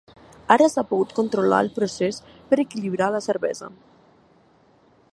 Ara s’ha pogut controlar el procés per equilibrar la cervesa.